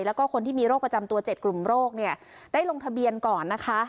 แล้วก็คนที่มีโรคประจำตัว๗กลุ่มโรคเนี่ยได้ลงทะเบียนก่อนนะคะ